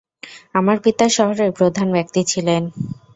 আমার পিতা শহরের প্রধান ব্যক্তি ছিলেন।